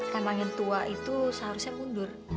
memang yang tua itu seharusnya mundur